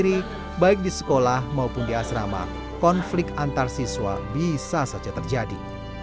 di kampung kiri baik di sekolah maupun di asrama konflik antarsiswa bisa saja terjadi